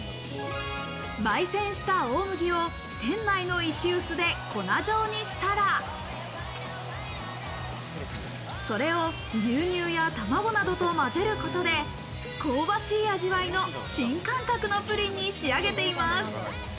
焙煎した大麦を店内の石臼で粉状にしたら、それを牛乳や卵などと混ぜることで香ばしい味わいの新感覚のプリンに仕上げています。